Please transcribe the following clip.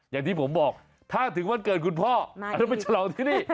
อย่างที่ผมบอกถ้าถึงวันเกิดคุณพ่อจะไปฉลองที่นี่